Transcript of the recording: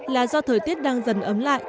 là do thời tiết đang dần ấm lại